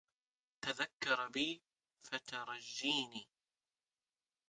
تذكر بي فترجيني